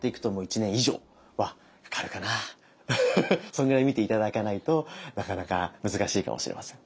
それぐらい見て頂かないとなかなか難しいかもしれません。